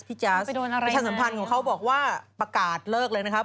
แจ๊คประชาสัมพันธ์ของเขาบอกว่าประกาศเลิกเลยนะครับ